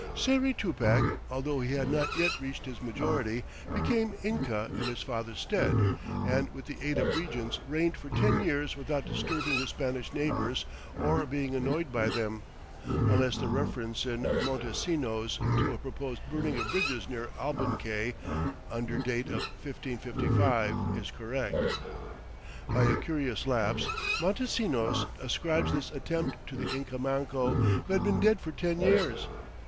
Sayri Tupac, although he had not yet reached his majority, became Inca in his father's stead, and with the aid of regents reigned for ten years without disturbing his Spanish neighbors or being annoyed by them, unless the reference in Montesinos to a proposed burning of bridges near Abancay, under date of 1555, is correct. By a curious lapse Montesinos ascribes this attempt to the Inca Manco, who had been dead for ten years.